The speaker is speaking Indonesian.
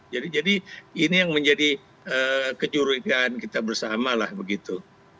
jadi ini yang menjadi kejuruteraan kita bersama lah begitu